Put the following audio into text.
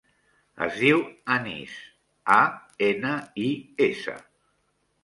Es diu Anis: a, ena, i, essa.